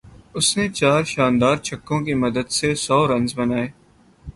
اس نے چار شاندار چھکوں کی مدد سے سو رنز بنائے